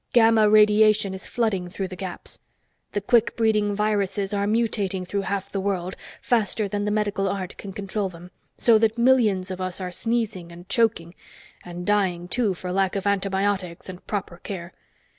Gamma radiation is flooding through the gaps; the quick breeding viruses are mutating through half the world, faster than the Medical Art can control them, so that millions of us are sneezing and choking and dying, too, for lack of antibiotics and proper care.